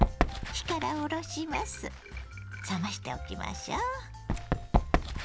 冷ましておきましょう。